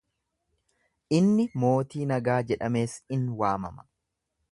Inni Mootii nagaa jedhamees in waamama.